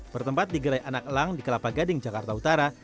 bertempat di gerai anak elang di kelapa gading jakarta utara